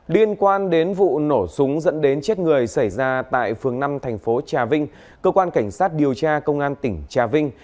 liên quan đến vụ nổ súng dẫn đến chết người xảy ra tại phường năm thành phố trà vinh cơ quan cảnh sát điều tra công an tỉnh trà vinh